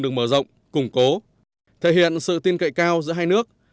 được mở rộng củng cố thể hiện sự tin cậy cao giữa hai nước